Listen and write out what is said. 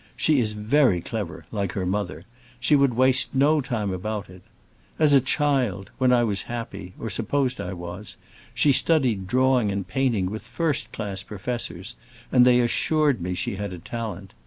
She is very clever, like her mother; she would waste no time about it. As a child—when I was happy, or supposed I was—she studied drawing and painting with first class professors, and they assured me she had a talent.